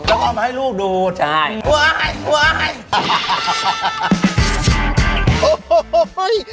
แล้วก็มาให้ลูกดูใช่